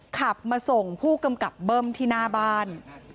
ขับมาส่งผู้กำกับเบิ้มที่หน้าบ้าน